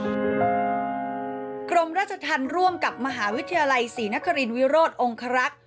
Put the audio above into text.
กรมราชธรรมร่วมกับมหาวิทยาลัยศรีนครินวิโรธองครักษ์